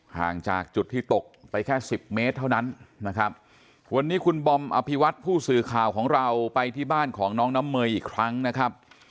ห่างจากจุดที่ตกไปแค่สิบเมตรเท่านั้นนะครับวันนี้คุณบอมอภิวัตผู้สื่อข่าวของเราไปที่บ้านของน้องน้ำเมย์อีกครั้งนะครับ